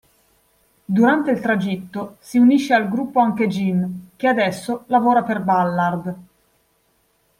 Durante il tragitto si unisce al gruppo anche Jim, che adesso lavora per Ballard.